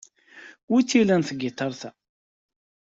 Wi-tt-ilan tgitart-a?